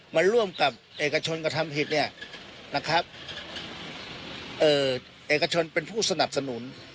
มาร่วมกับเอกชนกระทำผิดเนี่ยนะครับเอ่อเอกชนเป็นผู้สนับสนุน